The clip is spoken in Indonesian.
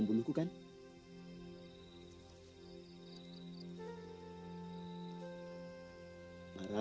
subaru itu akan selamatkan aku